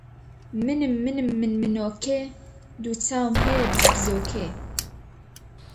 منم منم من منۆکێ، دوو چاوم هەیە بز بزۆکێ.